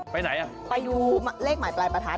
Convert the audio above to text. ไปไหนหรอไปดูเลขหมายประทัด